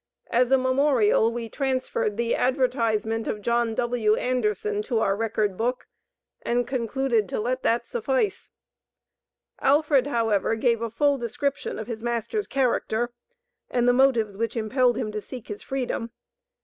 As a memorial we transferred the advertisement of John W. Anderson to our record book, and concluded to let that suffice. Alfred, however, gave a full description of his master's character, and the motives which impelled him to seek his freedom.